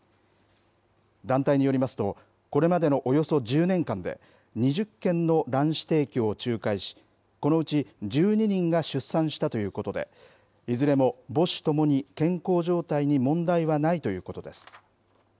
団体によりますと、これまでのおよそ１０年間で、２０件の卵子提供を仲介し、このうち１２人が出産したということで、いずれも母子ともに健康状態に問題はないということです。